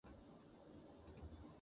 辛辣なセリフ